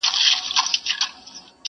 لا به تر څو دا سرې مرمۍ اورېږي.!